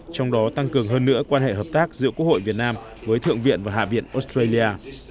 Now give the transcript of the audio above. trong đó tăng cường hơn nữa quan hệ hợp tác giữa quốc hội việt nam với thượng viện và hạ viện australia